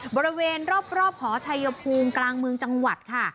บริเวณรอบหอชัยภูมิกลางเมืองจังหวัดค่ะ